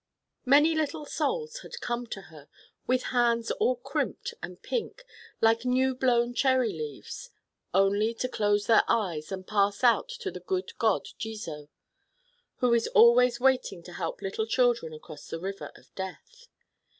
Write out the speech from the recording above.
Many little souls had come to her, with hands all crimped and pink, like new blown cherry leaves, only to close their eyes and pass out to the good god Jizo, who is always waiting to help little children across the river of death.